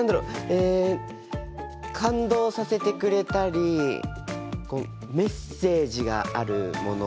え感動させてくれたりメッセージがあるもの？